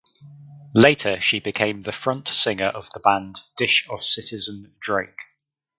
Later she became the front singer of the band "Dish Of Citizen Drake".